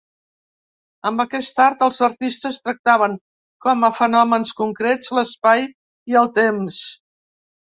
Amb aquest art els artistes tractaven com a fenòmens concrets l’espai i el temps.